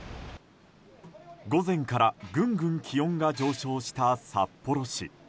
午前からぐんぐん気温が上昇した札幌市。